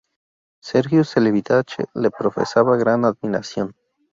Sergiu Celibidache le profesaba gran admiración.